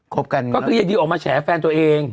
บกันก็คือยายดิวออกมาแฉแฟนตัวเอง